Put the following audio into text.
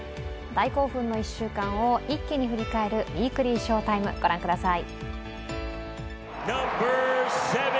大興奮の１週間を一気に振り返るウィークリー翔タイム、御覧ください。